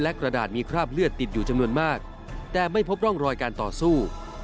และกระดาษมีคราบเลือดติดอยู่จำนวนมากแต่ไม่พบร่องรอยการต่อสู้